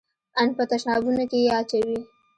ان په تشنابونو کښې يې اچوي.